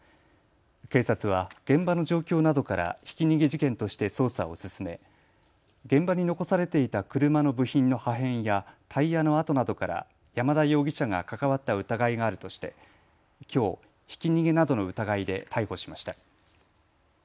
警察は現場の状況などからひき逃げ事件として捜査を進め現場に残されていた車の部品の破片やタイヤの跡などから山田容疑者が関わった疑いがあるとしてきょうひき逃げなどの疑いで逮捕しました。